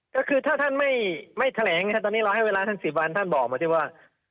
ก็คือถ้าท่านไม่แถลงตอนนี้เราให้เวลาท่าน๑๐วันท่านบอกมาที่ว่า